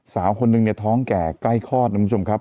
สาวคนนึงเนี่ยท้องแก่ใกล้คลอดนะคุณผู้ชมครับ